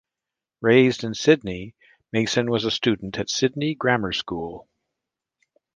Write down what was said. Raised in Sydney, Mason was a student at Sydney Grammar School.